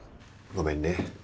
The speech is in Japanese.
ごめんね。